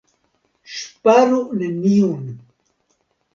Ŝparu neniun!